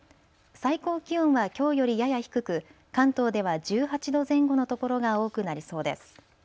最高気温はきょうよりやや低く関東では１８度前後の所が多くなりそうです。